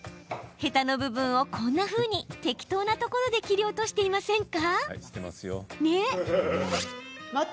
ヘタの部分をこんなふうに適当なところで切り落としていませんか？